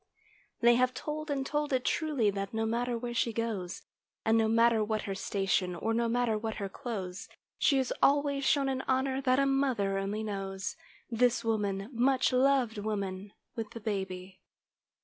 They have told, and told it truly, that no matter where she goes; And no matter what her station, or no matter what her clothes, She is always shown an honor that a mother only knows— This woman, much loved woman, with the baby.